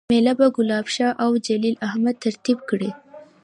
میله به ګلاب شاه اوجلیل احمد ترتیب کړي